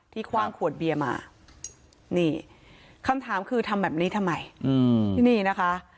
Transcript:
คว่างขวดเบียร์มานี่คำถามคือทำแบบนี้ทำไมที่นี่นะคะ